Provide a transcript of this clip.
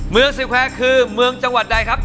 เมืองซิแควร์คือเมืองจังหวัดใดครับ